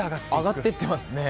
上がっていってますね。